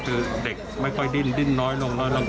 คือเด็กไม่ค่อยดิ้นดิ้นน้อยน้อยน้อยน้อยน้อยน้อย